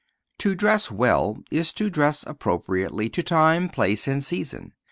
To dress well is to dress appropriately to time, place, and season.